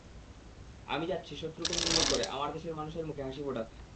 আমি যাচ্ছি শত্রুকে নির্মূল করে আমার দেশের মানুষের মুখে হাসি ফোটাতে।